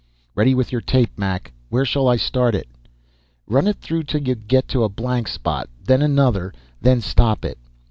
"Ready with your tape, Mac. Where shall I start it?" "Run it through 'til you get to a blank spot, then another, then stop it."